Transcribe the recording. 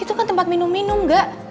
itu kan tempat minum minum gak